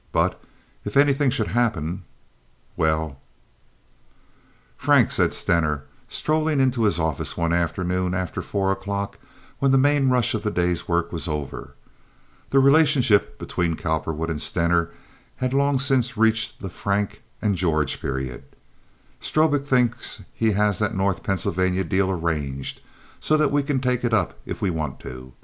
But if anything should happen—well— "Frank," said Stener, strolling into his office one afternoon after four o'clock when the main rush of the day's work was over—the relationship between Cowperwood and Stener had long since reached the "Frank" and "George" period—"Strobik thinks he has that North Pennsylvania deal arranged so that we can take it up if we want to.